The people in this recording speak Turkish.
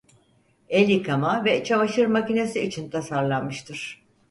El yıkama ve çamaşır makinesi için tasarlanmıştır.